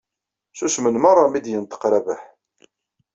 Ssusmen merra mi d-yenṭeq Rabaḥ.